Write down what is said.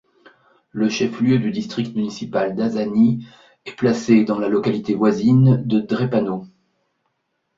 Le chef-lieu du district municipal d'Asani est placé dans la localité voisine de Drepano.